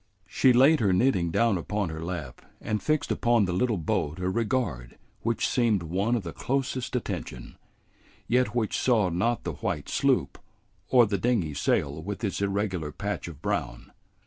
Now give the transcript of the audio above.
She laid her knitting down upon her lap and fixed upon the little boat a regard which seemed one of the closest attention, yet which saw not the white sloop or the dingy sail with its irregular patch of brown.